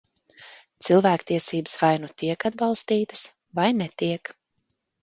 Cilvēktiesības vai nu tiek atbalstītas, vai netiek.